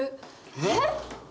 えっ？